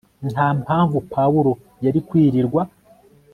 nta mpamvu pawulo yari kwirirwa